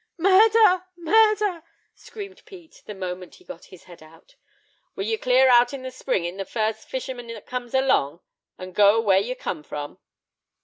"Murder! murder!" screamed Pete, the moment he got his head out. "Will you clear out in the spring, in the first fisherman that comes along, and go where you come from?"